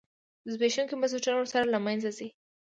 زبېښونکي بنسټونه ورسره له منځه نه ځي.